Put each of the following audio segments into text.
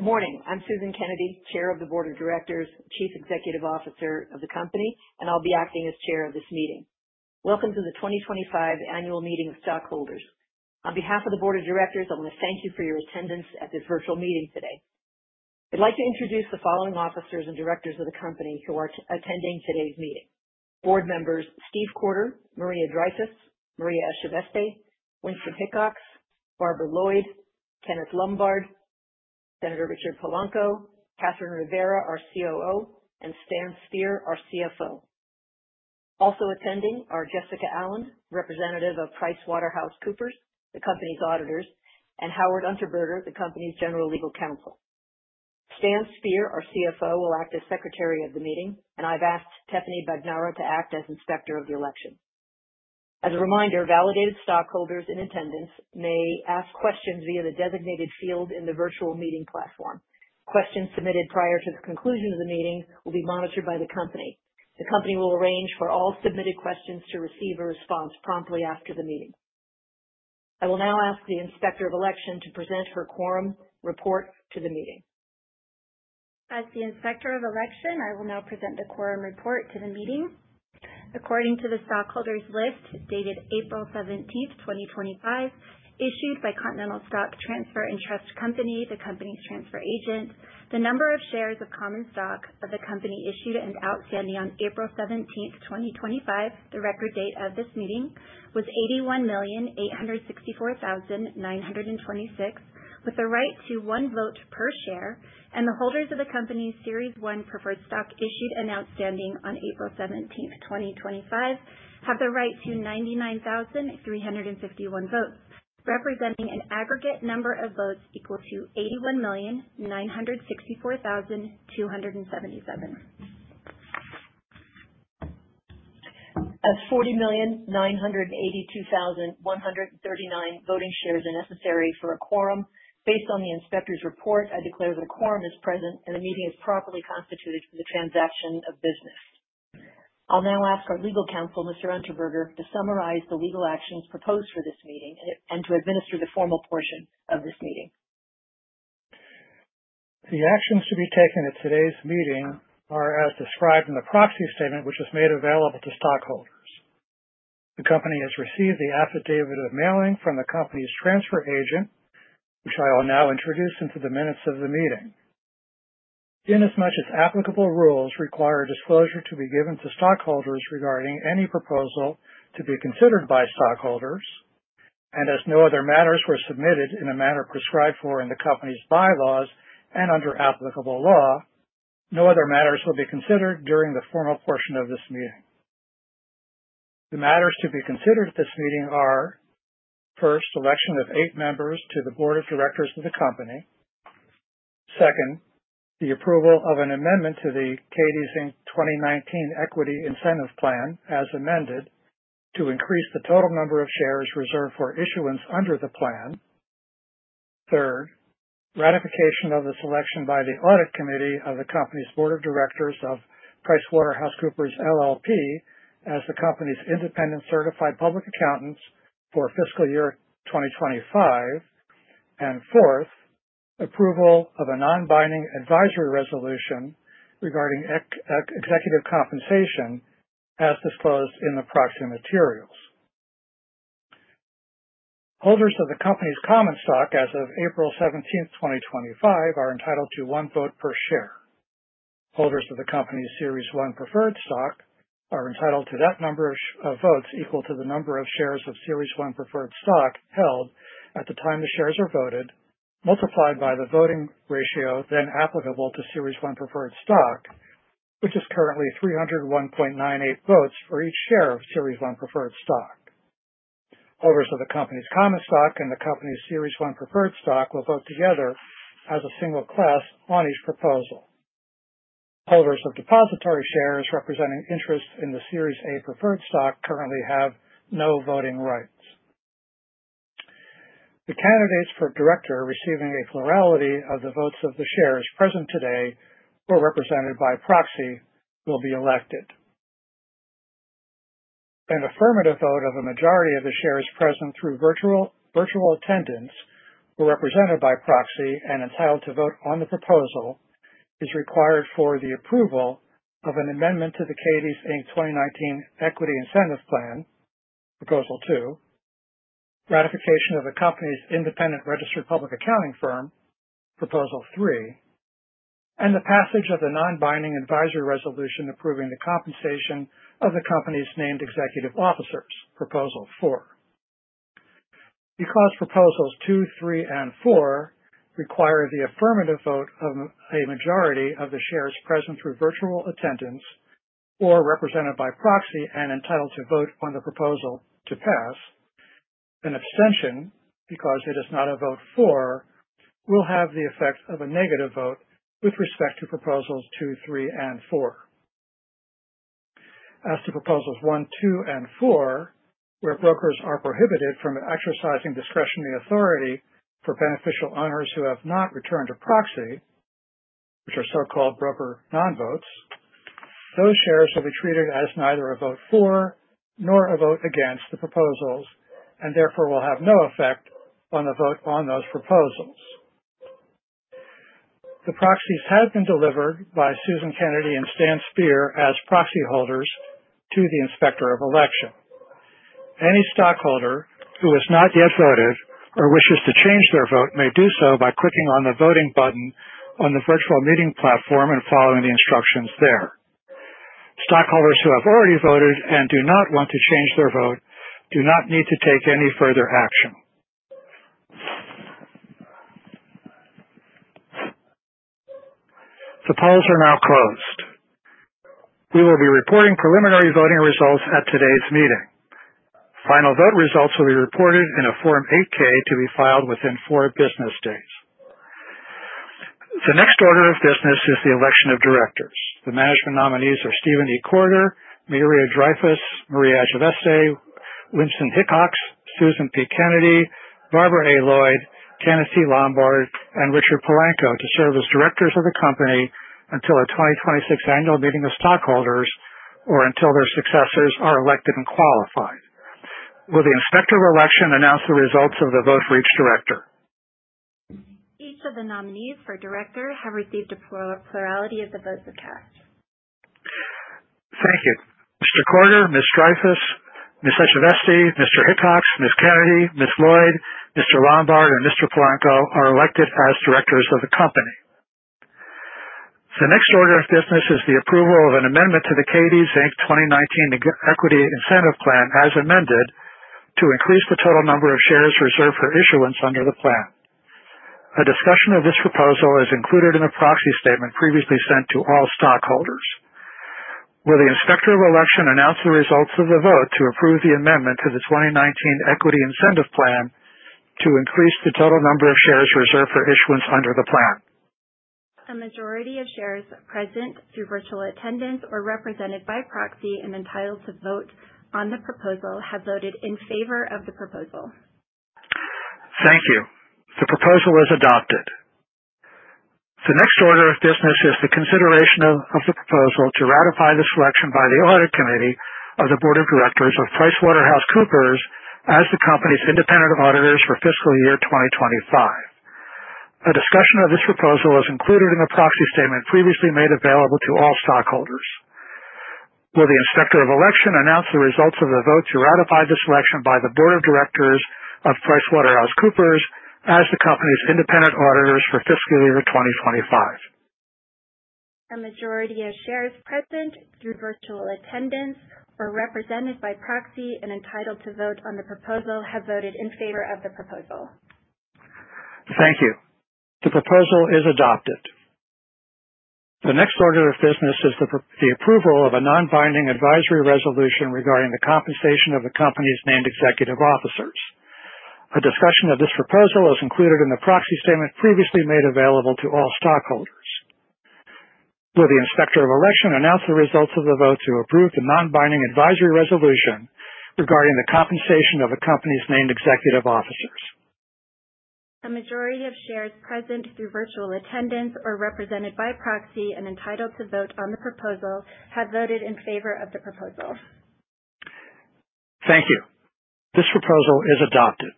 Good morning. I'm Susan Kennedy, Chair of the Board of Directors, Chief Executive Officer of the company, and I'll be acting as chair of this meeting. Welcome to the 2025 annual meeting of stockholders. On behalf of the board of directors, I want to thank you for your attendance at this virtual meeting today. I'd like to introduce the following officers and directors of the company who are attending today's meeting. Board members Steve Courter, Maria Dreyfus, Maria Echaveste, Winston Hickox, Barbara Lloyd, Kenneth Lombard, Senator Richard Polanco, Cathryn Rivera, our COO, and Stan Speer, our CFO. Also attending are Jessica Allen, representative of PricewaterhouseCoopers, the company's auditors, and Howard Unterberger, the company's general legal counsel. Stan Speer, our CFO, will act as secretary of the meeting, and I've asked Teffiny Bagnara to act as inspector of the election. As a reminder, validated stockholders in attendance may ask questions via the designated field in the virtual meeting platform. Questions submitted prior to the conclusion of the meeting will be monitored by the company. The company will arrange for all submitted questions to receive a response promptly after the meeting. I will now ask the Inspector of Election to present her quorum report to the meeting. As the Inspector of Election, I will now present the quorum report to the meeting. According to the stockholders list dated April 17th, 2025, issued by Continental Stock Transfer & Trust Company, the company's transfer agent, the number of shares of common stock of the company issued and outstanding on April 17th, 2025, the record date of this meeting, was 81,864,926, with the right to one vote per share. The holders of the company's Series A preferred stock issued and outstanding on April 17th, 2025, have the right to 99,351 votes, representing an aggregate number of votes equal to 81,964,277. As 40,982,139 voting shares are necessary for a quorum, based on the inspector's report, I declare that a quorum is present and the meeting is properly constituted for the transaction of business. I'll now ask our legal counsel, Mr. Unterberger, to summarize the legal actions proposed for this meeting and to administer the formal portion of this meeting. The actions to be taken at today's meeting are as described in the proxy statement, which was made available to stockholders. The company has received the affidavit of mailing from the company's transfer agent, which I will now introduce into the minutes of the meeting. In as much as applicable rules require disclosure to be given to stockholders regarding any proposal to be considered by stockholders, and as no other matters were submitted in a manner prescribed for in the company's bylaws and under applicable law, no other matters will be considered during the formal portion of this meeting. The matters to be considered at this meeting are, first, election of eight members to the board of directors of the company. Second, the approval of an amendment to the Cadiz Inc. 2019 Equity Incentive Plan, as amended, to increase the total number of shares reserved for issuance under the plan. Third, ratification of the selection by the Audit Committee of the company's Board of Directors of PricewaterhouseCoopers LLP as the company's independent certified public accountants for fiscal year 2025. Fourth, approval of a non-binding advisory resolution regarding executive compensation as disclosed in the proxy materials. Holders of the company's common stock as of April 17, 2025 are entitled to one vote per share. Holders of the company's Series One preferred stock are entitled to that number of votes equal to the number of shares of Series One preferred stock held at the time the shares are voted, multiplied by the voting ratio then applicable to Series One preferred stock, which is currently 301.98 votes for each share of Series One preferred stock. Holders of the company's common stock and the company's Series One preferred stock will vote together as a single class on each proposal. Holders of depository shares representing interest in the Series A preferred stock currently have no voting rights. The candidates for director receiving a plurality of the votes of the shares present today who are represented by proxy will be elected. An affirmative vote of a majority of the shares present through virtual attendance who are represented by proxy and entitled to vote on the proposal is required for the approval of an amendment to the Cadiz Inc. 2019 Equity Incentive Plan, proposal two, ratification of the company's independent registered public accounting firm, proposal three, and the passage of the non-binding advisory resolution approving the compensation of the company's named executive officers, proposal four. Proposals two, three, and four require the affirmative vote of a majority of the shares present through virtual attendance or represented by proxy and entitled to vote on the proposal to pass, an abstention, because it is not a vote for, will have the effect of a negative vote with respect to proposals two, three and four. As to proposals one, two, and four, where brokers are prohibited from exercising discretionary authority for beneficial owners who have not returned a proxy, which are so-called broker non-votes. Those shares will be treated as neither a vote for nor a vote against the proposals, and therefore will have no effect on the vote on those proposals. The proxies have been delivered by Susan Kennedy and Stan Speer as proxy holders to the Inspector of Election. Any stockholder who has not yet voted or wishes to change their vote may do so by clicking on the voting button on the virtual meeting platform and following the instructions there. Stockholders who have already voted and do not want to change their vote do not need to take any further action. The polls are now closed. We will be reporting preliminary voting results at today's meeting. Final vote results will be reported in a Form 8-K to be filed within four business days. The next order of business is the election of directors. The management nominees are Stephen E. Courter, Maria Dreyfus, Maria Echaveste, Winston Hickox, Susan P. Kennedy, Barbara A. Lloyd, Kenneth C. Lombard, and Richard Polanco to serve as directors of the company until our 2026 annual meeting of stockholders, or until their successors are elected and qualified. Will the Inspector of Election announce the results of the vote for each director? Each of the nominees for director have received a plurality of the votes cast. Thank you. Mr. Courter, Ms. Dreyfus, Ms. Echaveste, Mr. Hickox, Ms. Kennedy, Ms. Lloyd, Mr. Lombard, and Mr. Polanco are elected as directors of the company. The next order of business is the approval of an amendment to the Cadiz Inc. 2019 Equity Incentive Plan, as amended, to increase the total number of shares reserved for issuance under the plan. A discussion of this proposal is included in the proxy statement previously sent to all stockholders. Will the Inspector of Election announce the results of the vote to approve the amendment to the 2019 Equity Incentive Plan to increase the total number of shares reserved for issuance under the plan? A majority of shares present through virtual attendance or represented by proxy and entitled to vote on the proposal have voted in favor of the proposal. Thank you. The proposal is adopted. The next order of business is the consideration of the proposal to ratify the selection by the audit committee of the board of directors of PricewaterhouseCoopers as the company's independent auditors for fiscal year 2025. A discussion of this proposal is included in the proxy statement previously made available to all stockholders. Will the Inspector of Election announce the results of the vote to ratify the selection by the board of directors of PricewaterhouseCoopers as the company's independent auditors for fiscal year 2025? A majority of shares present through virtual attendance or represented by proxy and entitled to vote on the proposal have voted in favor of the proposal. Thank you. The proposal is adopted. The next order of business is the approval of a non-binding advisory resolution regarding the compensation of the company's named executive officers. A discussion of this proposal is included in the proxy statement previously made available to all stockholders. Will the Inspector of Election announce the results of the vote to approve the non-binding advisory resolution regarding the compensation of the company's named executive officers? A majority of shares present through virtual attendance or represented by proxy and entitled to vote on the proposal have voted in favor of the proposal. Thank you. This proposal is adopted.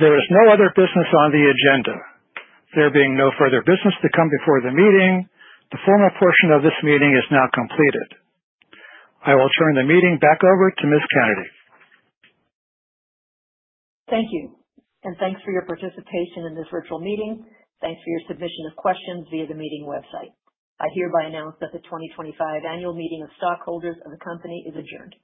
There is no other business on the agenda. There being no further business to come before the meeting, the formal portion of this meeting is now completed. I will turn the meeting back over to Ms. Kennedy. Thank you. Thanks for your participation in this virtual meeting. Thanks for your submission of questions via the meeting website. I hereby announce that the 2025 annual meeting of stockholders of the company is adjourned.